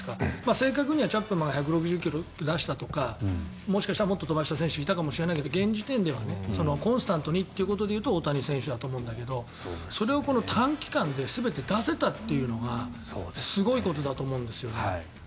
正確にはチャップマンが１６０ｋｍ出したとかもしかしたらもっと飛ばした選手もいたかもしれないけど現時点でコンスタントにということでいうと大谷選手だと思うんだけどそれを短期間で全て出せたというのがすごいことだと思うんですよね。